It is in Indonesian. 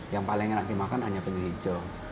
yang paling enak dimakan hanya penyu hijau